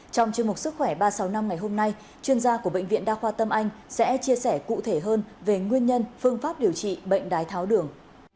trong chương mục sức khỏe ba trăm sáu mươi năm ngày hôm nay chuyên gia của bệnh viện đa khoa tâm anh sẽ chia sẻ cụ thể hơn về nguyên nhân phương pháp điều trị bệnh đái tháo đường